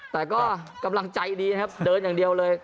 แต่ก็กำลังใจดีนะครับเดินอย่างเดียวเลย